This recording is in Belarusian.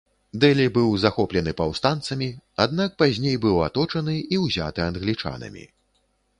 Дэлі быў захоплены паўстанцамі, аднак пазней быў аточаны і ўзяты англічанамі.